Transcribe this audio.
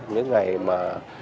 những ngày mà